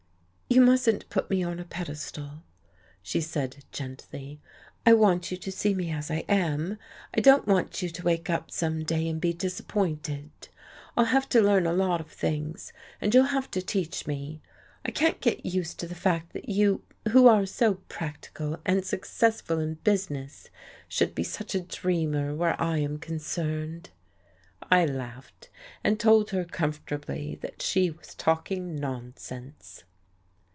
"You mustn't put me on a pedestal," she said gently. "I want you to see me as I am I don't want you to wake up some day and be disappointed. I'll have to learn a lot of things, and you'll have to teach me. I can't get used to the fact that you, who are so practical and successful in business, should be such a dreamer where I am concerned." I laughed, and told her, comfortably, that she was talking nonsense.